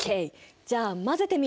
じゃあ混ぜてみよう！